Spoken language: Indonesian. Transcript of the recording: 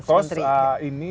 cost ini untuk indonesia arena